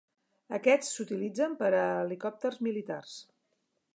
Aquests s'utilitzen per a helicòpters militars.